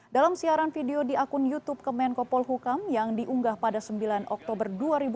dalam siaran video di akun youtube kemenkopol hukam yang diunggah pada sembilan oktober dua ribu dua puluh